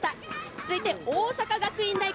続いて大阪学院大学。